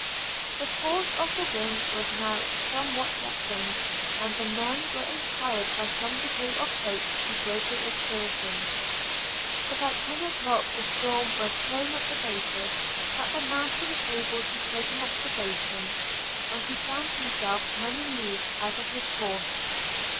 The force of the wind was now somewhat lessened, and the men were inspired by some degree of hope to greater exertions. About ten o'clock the storm was so much abated that the master was able to take an observation; and he found himself many leagues out of his course.